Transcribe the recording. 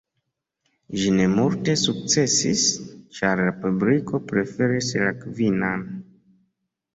Ĝi ne multe sukcesis, ĉar la publiko preferis la Kvinan.